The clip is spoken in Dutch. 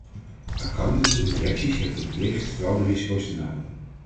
Accountants en directies hebben de plicht frauderisico's te melden.